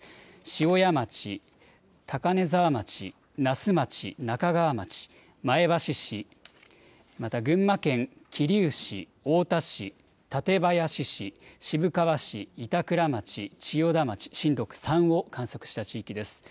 塩谷町、高根沢町、那須町、那珂川町、前橋市、また群馬県桐生市、太田市、館林市、渋川市、板倉町、千代田町、震度３を観測した地域です。